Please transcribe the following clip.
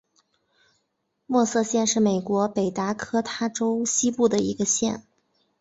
默瑟县是美国北达科他州西部的一个县。